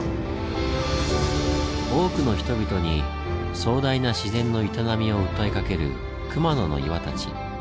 多くの人々に壮大な自然の営みを訴えかける熊野の岩たち。